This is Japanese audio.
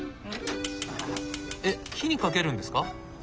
えっ火にかけるんですか？